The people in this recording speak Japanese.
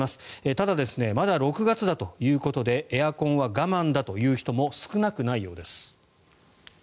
ただ、まだ６月だということでエアコンは我慢だという人も少なくないようです。